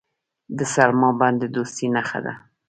د سلما بند د دوستۍ نښه ده.